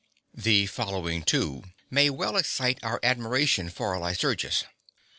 IX The following too may well excite our admiration for Lycurgus.